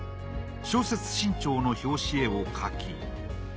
『小説新潮』の表紙絵を描き